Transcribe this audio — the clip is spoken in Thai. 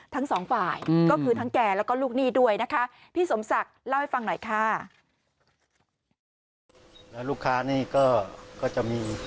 ทั้งสองฝ่ายก็คือทั้งแก่แล้วก็ลูกหนี้ด้วยนะคะ